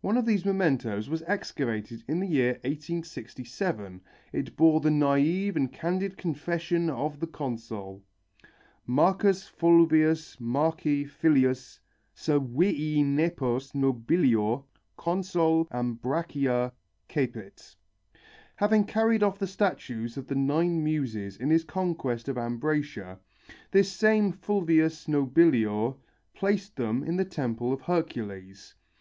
One of these mementoes was excavated in the year 1867; it bore the naive and candid confession of the consul: Marcus Fulvius Marci Filius Servii Nepos Nobilior Consul Ambracia Cepit Having carried off the statues of the Nine Muses in his conquest of Ambracia, this same Fulvius Nobilior placed them in the temple of Hercules.